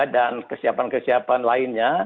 dan kesiapan kesiapan lainnya